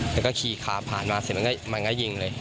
แล้วก็ขี่ขาผ่านมาเสร็จมันก็ยิงเลย